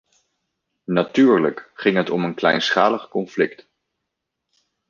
Natuurlijk ging het om een kleinschalig conflict.